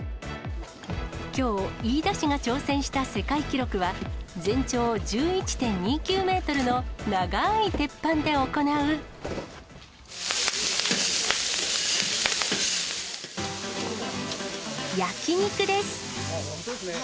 きょう、飯田市が挑戦した世界記録は、全長１１．２９メートルの長い鉄板で行う焼き肉です。